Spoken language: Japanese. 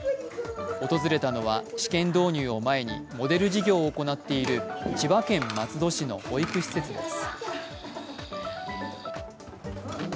訪れたのは試験導入を前にモデル事業を行っている千葉県松戸市の保育施設です。